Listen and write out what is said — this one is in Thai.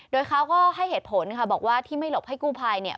โดยเขาก็ให้เหตุผลค่ะบอกว่าที่ไม่หลบให้กู้ภัยเนี่ย